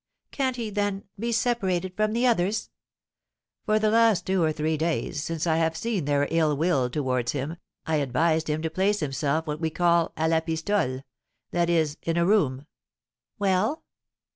"Can't he, then, be separated from the others?" "For the last two or three days, since I have seen their ill will towards him, I advised him to place himself what we call à la pistole, that is, in a room." "Well?"